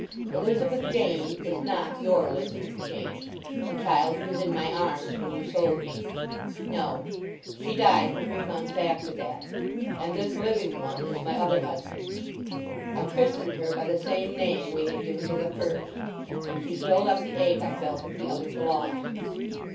Elizabeth Jane is not your Elizabeth Jane—the child who was in my arms when you sold me. No; she died three months after that, and this living one is my other husband's. I christened her by the same name we had given to the first, and she filled up the ache I felt at the other's loss.